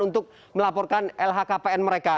untuk melaporkan lhkpn mereka